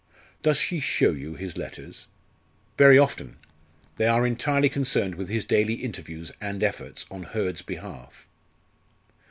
"Does she show you his letters?" "Very often. They are entirely concerned with his daily interviews and efforts on Hurd's behalf."